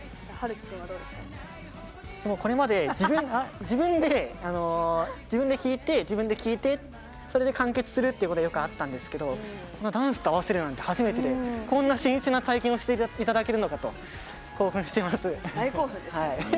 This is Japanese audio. これまで自分で弾いて自分で聴いてそれで完結するということはよくあったんですけど、ダンスと合わせるなんて初めてでこんな新鮮な体験をさせていただけるのかと興奮しています。